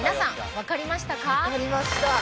わかりました